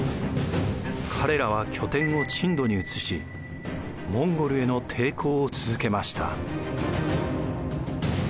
彼らは拠点を珍島に移しモンゴルへの抵抗を続けました。